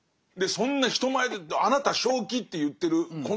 そんな人前であなた正気？って言ってるこの感じ。